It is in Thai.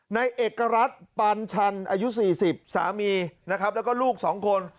ในเอกรัฐปัญชันอายุ๔๐สามีแล้วก็ลูก๒คน